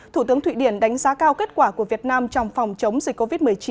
thủ tướng thụy điển đánh giá cao kết quả của việt nam trong phòng chống dịch covid một mươi chín